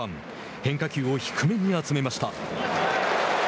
変化球を低めに集めました。